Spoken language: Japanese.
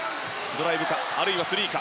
ドライブか、あるいはスリーか。